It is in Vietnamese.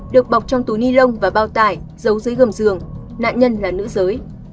được bọc trong túi ni lông và bao tải giấu dưới gầm giường nạn nhân là nữ giới